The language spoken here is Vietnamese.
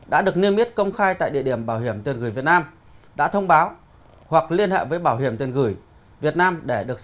đã được niêm yết công khai tại địa điểm bảo hiểm tiền gửi việt nam